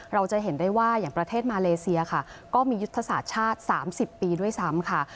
เราจะเห็นได้ว่าอย่างประเทศมาเลเซียค่ะก็มียุทธศาสตร์ชาติ๓๐ปีด้วยซ้ำค่ะ